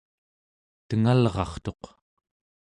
tengalrartuq